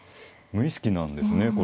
無意識なんですね